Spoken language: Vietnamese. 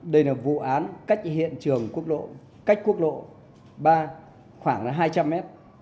đây là vụ án cách hiện trường quốc lộ cách quốc lộ ba khoảng là hai trăm linh m